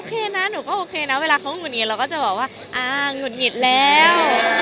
นะหนูก็โอเคนะเวลาเขาหงุดหงิดเราก็จะบอกว่าอ่าหงุดหงิดแล้ว